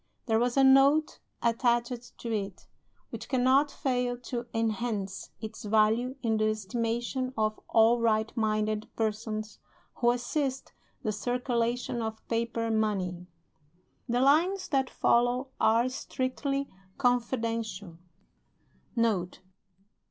There was a Note attached to it, which cannot fail to enhance its value in the estimation of all right minded persons who assist the circulation of paper money. The lines that follow are strictly confidential: "Note.